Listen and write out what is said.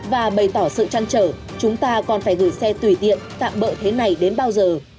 và bày tỏ sự trăn trở chúng ta còn phải gửi xe tùy tiện tạm bỡ thế này đến bao giờ